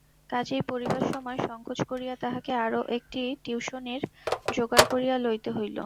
কাজেই পড়িবার সময় সংকোচ করিয়া তাহাকে আরো একটি টুইশনির জোগাড় করিয়া লইতে হইল।